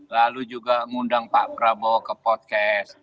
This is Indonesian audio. lalu juga ngundang pak prabowo ke podcast